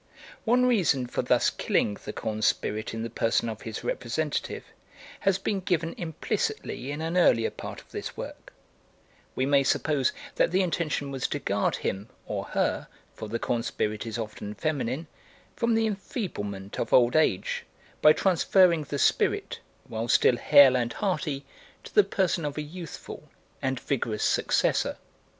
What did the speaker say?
One reason for thus killing the corn spirit in the person of his representative has been given implicitly in an earlier part of this work: we may suppose that the intention was to guard him or her (for the corn spirit is often feminine) from the enfeeblement of old age by transferring the spirit, while still hale and hearty, to the person of a youthful and vigorous successor.